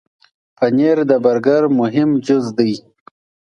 پنېر د برګر مهم جز دی.